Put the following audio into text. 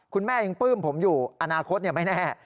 คุณแม่ยังปลื้มผมอยู่อนาคตไม่แน่